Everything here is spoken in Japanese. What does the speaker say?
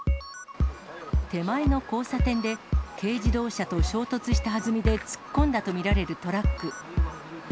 手前の交差点で、軽自動車と衝突したはずみで突っ込んだと見られるトラック。